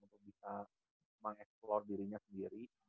untuk bisa mengeksplor dirinya sendiri